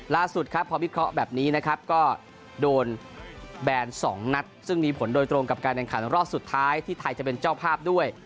ล่าสุดครับพอวิเคราะห์แบบนี้นะครับก็โดนแบน๒นัดซึ่งมีผลโดยตรงกับการแข่งขันรอบสุดท้ายที่ไทยจะเป็นเจ้าภาพด้วย